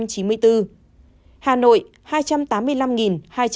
hà nội hai trăm tám mươi năm hai trăm bảy mươi ba